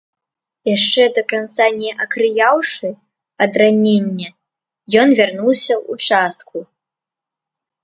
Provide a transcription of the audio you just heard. Яшчэ да канца не акрыяўшы ад ранення, ён вярнуўся ў частку.